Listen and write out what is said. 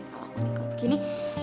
kalo aku nikah begini